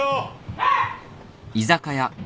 はい！